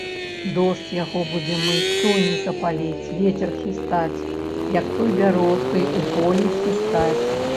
Дождж яго будзе мыць, сонейка паліць, вецер хістаць, як той бярозкай у полі хістаць.